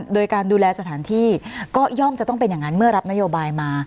โดยการดูแลสถานที่ก็ย่อมจะต้องเป็นอย่างนั้นเมื่อรับนโยบายมา